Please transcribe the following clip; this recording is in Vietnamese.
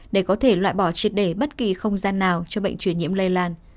để có thể loại bỏ triệt để bất kỳ không gian nào cho bệnh truyền nhiễm lây lan